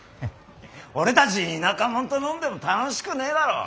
俺たち田舎もんと飲んでも楽しくねえだろ。